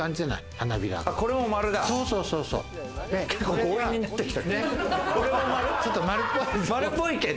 結構強引になってきた。